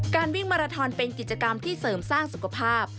วิ่งมาราทอนเป็นกิจกรรมที่เสริมสร้างสุขภาพ